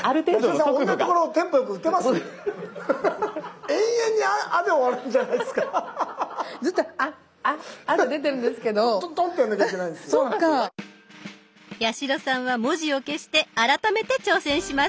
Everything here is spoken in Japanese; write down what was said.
八代さんは文字を消して改めて挑戦します。